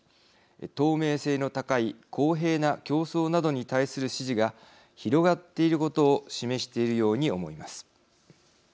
透明性の高い公平な競争などに対する支持が広がっていることを示しているように思います。